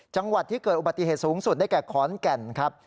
จังหวัดที่เกิดอุบัติเหตุสูงสุดได้แก่ขอนแก่นครับ